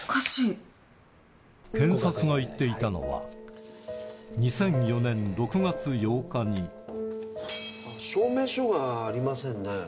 検察が言っていたのは２００４年６月８日に証明書がありませんね